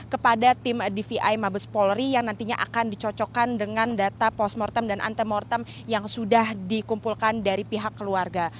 kepada tim dvi mabes polri yang nantinya akan dicocokkan dengan data postmortem dan antemortem yang sudah dikumpulkan dari pihak keluarga